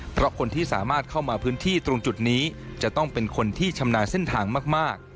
เพราะคนที่สามารถเข้ามาพื้นที่ตรงจุดนี้จะต้องเป็นคนที่ชำนาญเส้นทางมาก